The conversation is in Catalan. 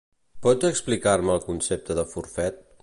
Pots explicar-me el concepte de forfet?